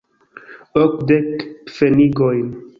Okdek pfenigojn.